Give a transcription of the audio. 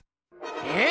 えっ！